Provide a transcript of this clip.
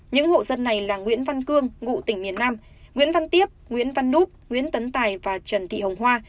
những hộ dân này là nguyễn văn cương ngụ tỉnh miền nam nguyễn văn tiếp nguyễn văn núp nguyễn tấn tài và trần thị hồng hoa